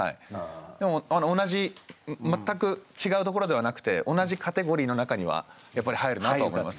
でも全く違うところではなくて同じカテゴリーの中にはやっぱり入るなと思います。